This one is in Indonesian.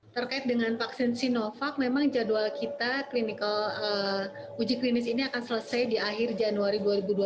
terkait dengan vaksin sinovac memang jadwal kita uji klinis ini akan selesai di akhir januari dua ribu dua puluh